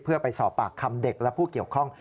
เพื่อไปสอบปากคำเด็กและผู้เกี่ยวข้อง